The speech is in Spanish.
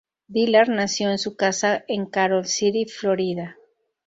Dillard nació en su casa en Carol City, Florida.